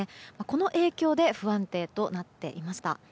この影響で不安定となっていました。